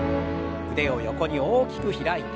腕を横に大きく開いて。